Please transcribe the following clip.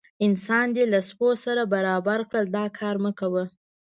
انسان دې له سپو سره برابر کړل دا کار مه کوه.